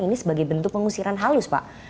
ini sebagai bentuk pengusiran halus pak